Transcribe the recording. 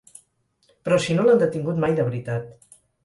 Però si no l'han detingut mai de veritat.